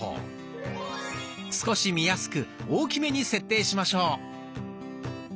少し見やすく大きめに設定しましょう。